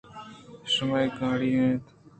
اے شمئے گاڑی اِنت